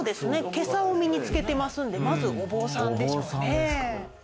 けさを身につけてますんでまずお坊さんでしょうね。